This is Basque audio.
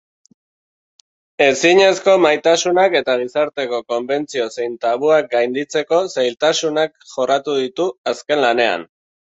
Ezinezko maitasunak eta gizarteko konbentzio zein tabuak gainditzeko zailtasunak jorratu ditu azken lanean.